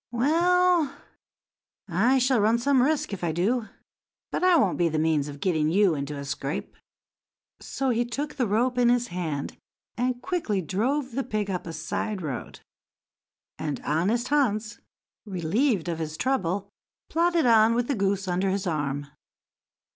"Well, I shall run some risk if I do, but I won't be the means of getting you into a scrape." So he took the rope in his hand, and quickly drove the pig up a side road; and honest Hans, relieved of his trouble, plodded on with the goose under his arm.